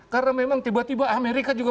karena memang tiba tiba amerika juga